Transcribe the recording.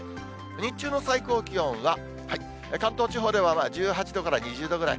日中の最高気温は関東地方では１８度から２０度ぐらい。